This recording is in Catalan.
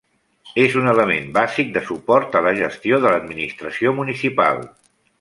És un element bàsic de suport a la gestió de l'administració municipal.